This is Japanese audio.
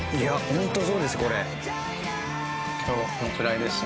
いやホントそうですこれ。